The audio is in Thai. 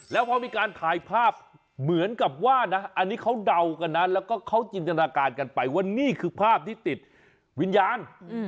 แล้วพอมีการถ่ายภาพเหมือนกับว่านะอันนี้เขาเดากันนะแล้วก็เขาจินตนาการกันไปว่านี่คือภาพที่ติดวิญญาณ